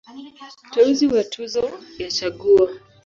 Uteuzi wa Tuzo ya Chaguo.